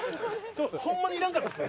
ホンマにいらんかったっすね。